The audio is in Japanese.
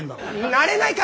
なれないから！